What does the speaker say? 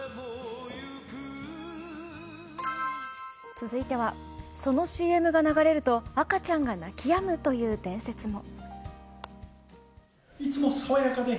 続いてはそのＣＭが流れると赤ちゃんが泣きやむという伝説も。